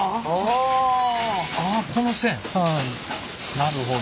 なるほど。